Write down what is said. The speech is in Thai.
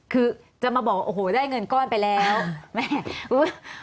คือจะมาบอกโอ้โหได้เงินก้อนไปแล้ว